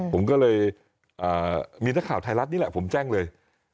ผมก็เลยมีนักข่าวไทยรัฐนี่แหละผมแจ้งเลย